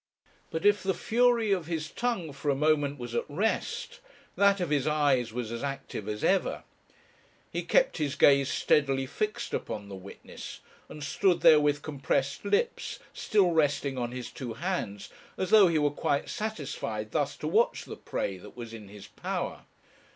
But if the fury of his tongue for a moment was at rest, that of his eyes was as active as ever. He kept his gaze steadily fixed upon the witness, and stood there with compressed lips, still resting on his two hands, as though he were quite satisfied thus to watch the prey that was in his power.